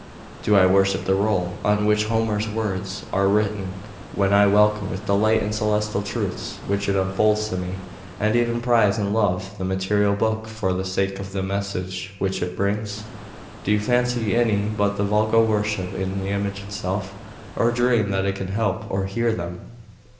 Do I worship the roll on which Homer's words are written, when I welcome with delight the celestial truths which it unfolds to me, and even prize and love the material book for the sake of the message which it brings? Do you fancy that any but the vulgar worship the image itself, or dream that it can help or hear them?